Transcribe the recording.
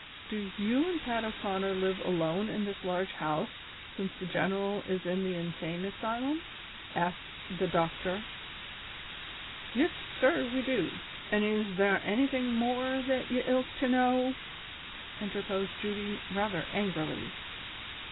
" Do you and Pat O 'Conner live alone in this large house since the general is in the insane asylum?" asked the doctor. " Yis, sir, we do ; an' is thare anyting morer that ye lik to know ?" interposed Judy, rather angrily.